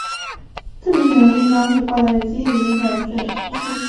最明显的地方是挂载在机翼下的电子作战系统。